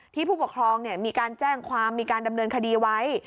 ผู้ปกครองมีการแจ้งความมีการดำเนินคดีไว้